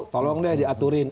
tolong deh diaturin